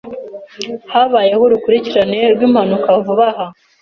Habayeho urukurikirane rwimpanuka vuba aha.